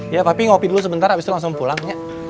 ya tapi ngopi dulu sebentar abis itu langsung pulang